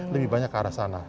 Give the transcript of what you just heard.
lebih banyak ke arah sana